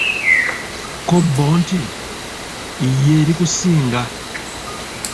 Ko bbo nti, yee likusinga!